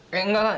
eh enggak lah